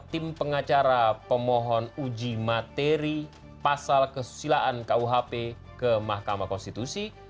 tim pengacara pemohon uji materi pasal kesusilaan kuhp ke mahkamah konstitusi